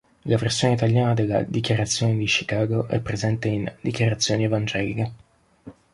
La versione italiana della "Dichiarazione di Chicago" è presente in: "Dichiarazioni evangeliche.